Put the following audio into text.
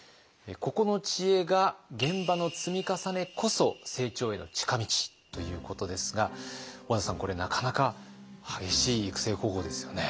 ここの知恵が「現場の積み重ねこそ成長への近道」ということですが小和田さんこれなかなか激しい育成方法ですよね。